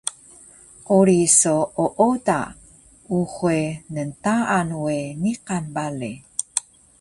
quri so ooda uxe ntaan we niqan bale